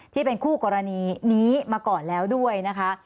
ที่เป็นคู่กรณีนี้มาก่อนแล้วด้วยนะคะ